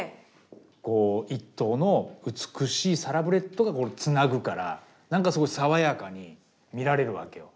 こう一頭の美しいサラブレッドがつなぐから何かすごい爽やかに見られるわけよ